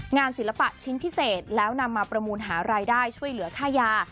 ศิลปะชิ้นพิเศษแล้วนำมาประมูลหารายได้ช่วยเหลือค่ายา